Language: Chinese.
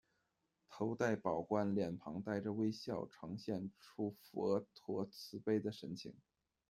头戴宝冠，脸庞带着微笑，呈现出佛陀慈悲的神情。